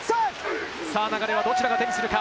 流れはどちらが手にするか？